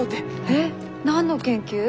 えっ何の研究？